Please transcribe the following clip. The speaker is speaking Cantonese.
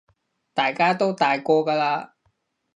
大家都大個㗎喇